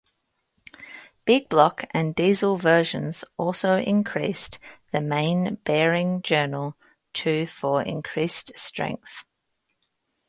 Big-block and Diesel versions also increased the main bearing journal to for increased strength.